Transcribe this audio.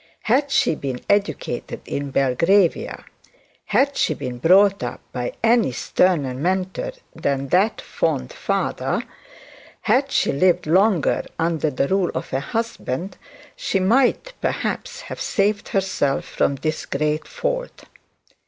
Had she been educated in Belgravia, had she been brought up by any sterner mentor than that fond father, had she lived longer under the rule of a husband, she might, perhaps, have saved herself from this great fault.